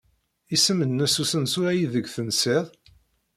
Isem-nnes usensu aydeg tensid?